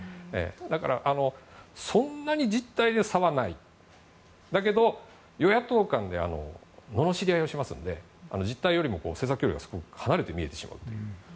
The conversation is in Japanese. だから、そんなに実態で差はないけどだけど与野党間でののしり合いをしますので実態よりも政策がすごく離れて見えてしまう。